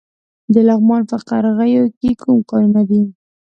د لغمان په قرغیو کې کوم کانونه دي؟